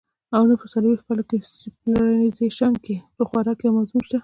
او نۀ پۀ څلور کاله سپېشلائزېشن کښې پۀ خوراک يو مضمون شته